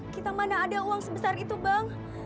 kita mana ada uang sebesar itu bang